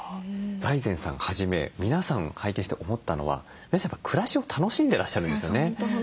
財前さんはじめ皆さん拝見して思ったのは皆さん暮らしを楽しんでらっしゃるんですよね。